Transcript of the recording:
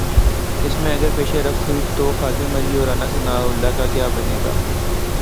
اس میں اگر پیش رفت ہوئی تو خادم اعلی اور رانا ثناء اللہ کا کیا بنے گا؟